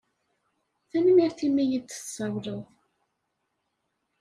Tanemmirt i mi yi-d-tsawleḍ.